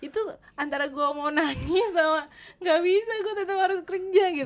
itu antara gue mau nangis sama gak bisa gue tetap harus kerja